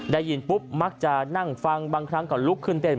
ได้ยินปุ๊บมักจะนั่งฟังบางครั้งก็ลุกขึ้นเต้น